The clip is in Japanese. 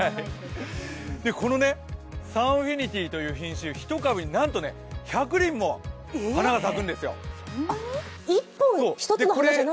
このサンフィニティという品種１株に１００輪も花が咲くんですよ。